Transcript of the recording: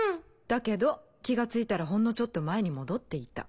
だけど気が付いたらほんのちょっと前に戻っていた。